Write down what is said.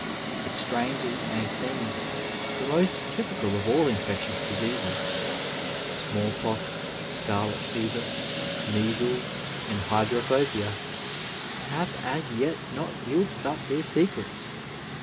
But strange as it may seem, the most typical of all infectious diseases, small pox, scarlet fever, measles, and hydrophobia, have as yet not jrielded up their secrets.